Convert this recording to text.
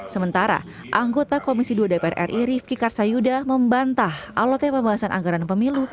sementara anggota komisi dua dpr ri rifki karsayuda membantah alotnya pembahasan anggaran pemilu